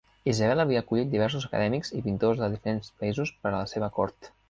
Isabel havia acollit diversos acadèmics i pintors de diferents països per a la seva cort.